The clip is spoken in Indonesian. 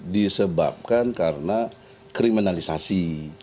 disebabkan karena kriminalisasi